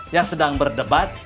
yang sedang berdebat